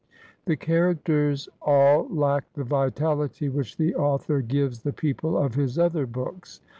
The charac ters all lack the vitality which the author gives the people of his other books.